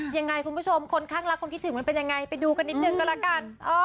ยังไงคุณผู้ชมคนข้างรักคนคิดถึงมันเป็นยังไงไปดูกันนิดนึงก็แล้วกัน